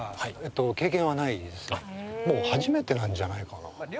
もう初めてなんじゃないかな。